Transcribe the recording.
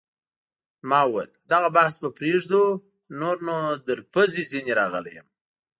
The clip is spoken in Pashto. ما وویل: دغه بحث به پرېږدو، نور نو تر پزې ځیني راغلی یم.